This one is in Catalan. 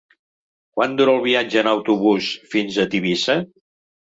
Quant dura el viatge en autobús fins a Tivissa?